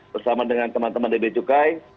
bersama dengan teman teman di becukai